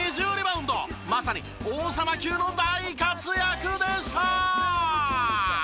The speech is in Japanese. まさに王様級の大活躍でした。